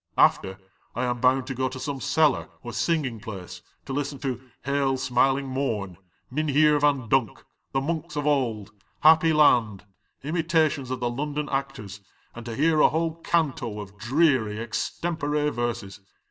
After, I am bound to go to some cellar or singing place to listen to 'Hail, smiling morn,' 'JMvuheer Van Dunk,' 'The monks of old,' 'Happy land,' imitations of the London actors, and to hear a whole canto of <lr extempore verses.